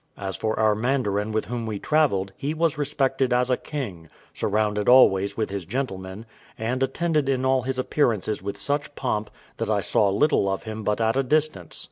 As for our mandarin with whom we travelled, he was respected as a king, surrounded always with his gentlemen, and attended in all his appearances with such pomp, that I saw little of him but at a distance.